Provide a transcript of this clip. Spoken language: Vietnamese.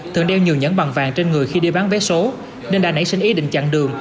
thường đeo nhiều nhẫn bằng vàng trên người khi đi bán vé số nên đã nảy sinh ý định chặn đường